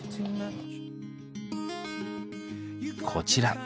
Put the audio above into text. こちら。